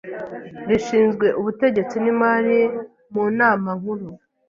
rishinzwe Ubutegetsi n Imari mu Nama Nkuru